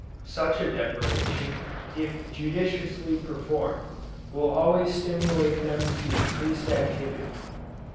Such a deprivation, if judiciously performed, will always stimulate them to increased activity.